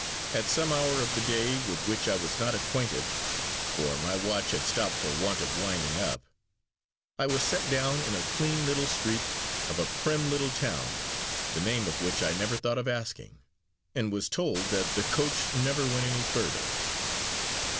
At some hour of the day with which I was not acquainted (for my watch had stopped for want of winding up), I was set down in a clean little street of a prim little town (the name of which I never thought of asking), and was told that the coach never went any further.